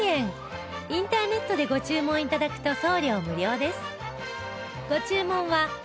インターネットでご注文頂くと送料無料です